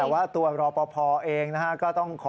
ด้วยความเคารพนะคุณผู้ชมในโลกโซเชียล